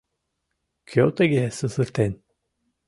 — Кӧ тыге сусыртен?